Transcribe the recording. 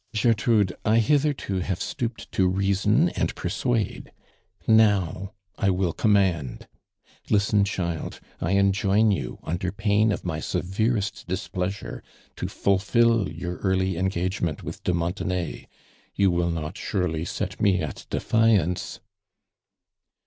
"(lortrudo, 1 hitherto have stooped to reason and persuade, now, I will commaml. J.isten, child, I enjoin you, under pain of my si'Ve.i'V'st displeasnrti, to fulfil your early engagement with <l(( Montenay. You will not, surely, sot me at defiance